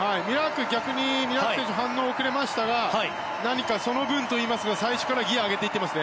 逆にミラーク選手は反応が遅れましたが何かその分といいますか最初からギアを上げています。